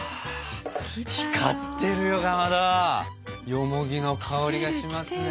よもぎの香りがしますね。